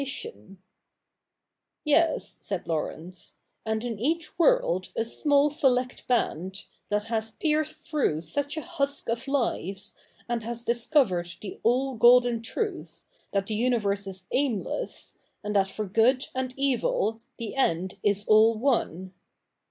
■' Ves,' said Laurence, ' and 4<i 'dh^^l ^ wnr^d a small select band, that has pierced througl*' ^/ usk of lies, and has discovered the all golden trr le universe is aimless, and that for good and ev ^nd is all one.'